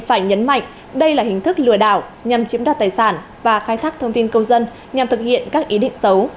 phải nhấn mạnh đây là hình thức lừa đảo nhằm chiếm đoạt tài sản và khai thác thông tin công dân nhằm thực hiện các ý định xấu